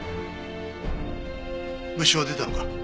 物証は出たのか？